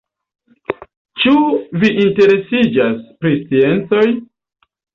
Ĉu vi interesiĝas pri sciencoj?